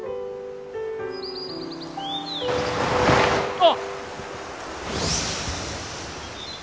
あっ！